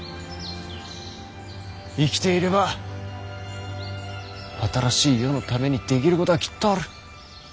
生きていれば新しい世のためにできることはきっとある。